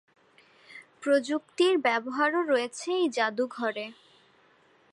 প্রযুক্তির ব্যবহারও রয়েছে এই জাদুঘরে।